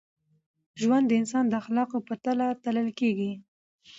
ژوند د انسان د اخلاقو په تله تلل کېږي.